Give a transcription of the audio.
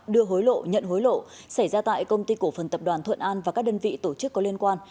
đưa hối lộ nhận hối lộ xảy ra tại công ty cổ phần tập đoàn thuận an và các đơn vị tổ chức có liên quan